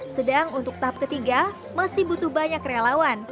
sedang untuk tahap ketiga masih butuh banyak relawan